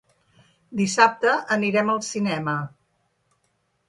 Dissabte anirem al cinema.